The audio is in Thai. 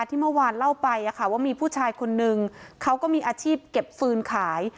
ที่เมื่อวานเล่าไปว่ามีผู้ชายคนนึงเขาก็มีอาชีพเก็บฟืนขาย